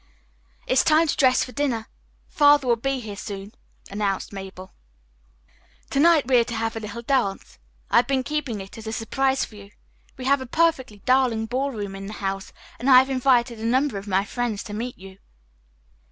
"It's time to dress for dinner. Father will be here soon," announced Mabel. "To night we are to have a little dance. I have been keeping it as a surprise for you. We have a perfectly darling ballroom in the house and I have invited a number of my friends to meet you."